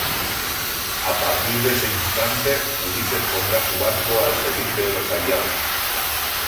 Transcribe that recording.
A partir de ese instante Ulises pondrá su barco al servicio de los aliados.